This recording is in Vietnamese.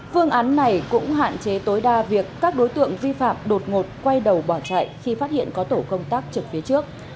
phương án này cũng hạn chế tối đa việc các đối tượng vi phạm đột ngột quay đầu bỏ chạy khi phát hiện có tổ công tác trực phía trước